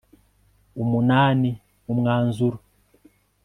viii. umwanzuro